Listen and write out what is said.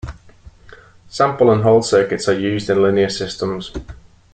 Sample and hold circuits are used in linear systems.